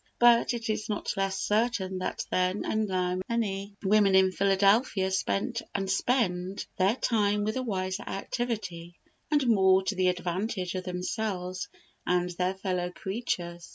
But it is not less certain that then and now many women in Philadelphia spent and spend their time with a wiser activity, and more to the advantage of themselves and their fellow creatures.